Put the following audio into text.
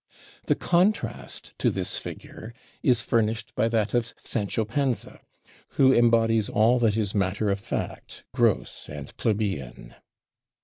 The contrast to this figure is furnished by that of Sancho Panza, who embodies all that is matter of fact, gross, and plebeian.